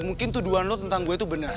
mungkin tuduhan lo tentang gue itu benar